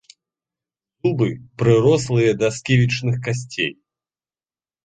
Зубы прырослыя да сківічных касцей.